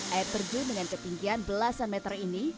air terjun dengan ketinggian belasan meter ini